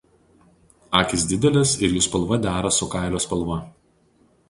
Akys didelės ir jų spalva dera su kailio spalva.